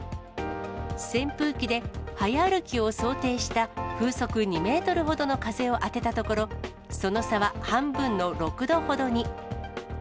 扇風機で早歩きを想定した風速２メートルほどの風を当てたところ、その差は半分の６度ほどに。